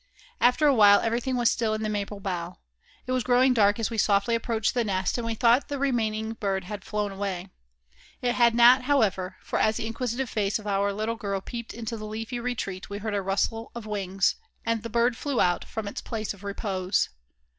After awhile everything was still in the maple bough. It was growing dark as we softly approached the nest, and we thought the remaining bird had flown away. It had not, however, for as the inquisitive face of our little girl peeped into the leafy retreat we heard a rustle of wings, and the bird flew out from its place of repose.